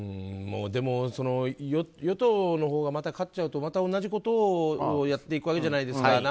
でも、与党のほうがまた勝っちゃうと、また同じことをやっていくわけじゃないですか。